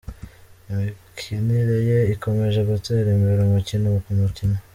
Imikinire ye ikomeje gutera imbere umukino ku mukino".